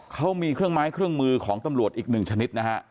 เขามีเครื่องไม้เครื่องมือของตำรวจอีกหนึ่งชนิดนะฮะ